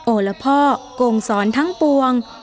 ละพ่อโกงสอนทั้งปวง